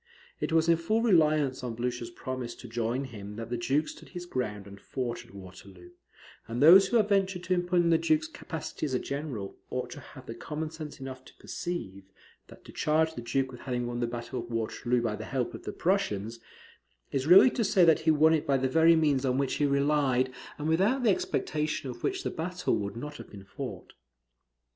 It was in full reliance on Blucher's promise to join him that the Duke stood his ground and fought at Waterloo; and those who have ventured to impugn the Duke's capacity as a general, ought to have had common sense enough to perceive, that to charge the Duke with having won the battle of Waterloo by the help of the Prussians, is really to say that he won it by the very means on which he relied, and without the expectation of which the battle would not have been fought.